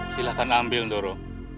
silahkan ambil doro